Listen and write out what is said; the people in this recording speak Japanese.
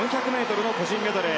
４００ｍの個人メドレー。